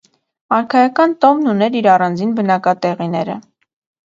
Արքայական տոհնմ ուներ իր առանձին բնակատեղիները։